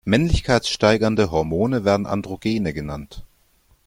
Männlichkeitssteigernde Hormone werden Androgene genannt.